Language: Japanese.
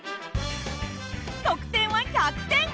得点は１００点！